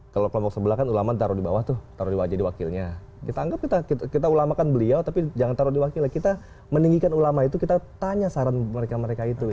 kalau kelompok sebelah kan ulama taruh di bawah tuh taruh di wajah diwakilnya kita anggap kita ulamakan beliau tapi jangan taruh diwakil kita meninggikan ulama itu kita tanya saran mereka mereka itu